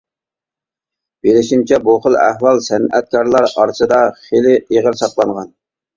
بىلىشىمچە بۇ خىل ئەھۋال سەنئەتكارلار ئارىسىدا خېلى ئېغىر ساقلانغان.